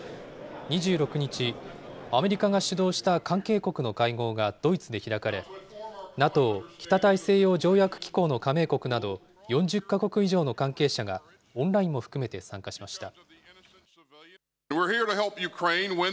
２６日、アメリカが主導した関係国の会合がドイツで開かれ、ＮＡＴＯ・北大西洋条約機構の加盟国など、４０か国以上の関係者が、オンラインを含めて参加しました。